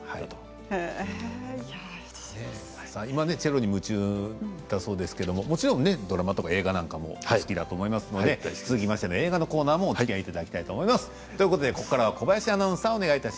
チェロに夢中ですけれどももちろんドラマや映画も好きだと思いますので映画のコーナーにもおつきあいいただきたいと思います。